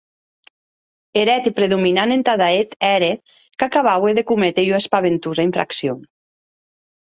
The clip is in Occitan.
Eth hèt predominant entada eth ère, qu’acabaue de cométer ua espaventosa infraccion.